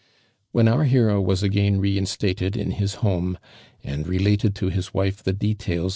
When our iiero was again reinstated in his home, and related to his wife;' m details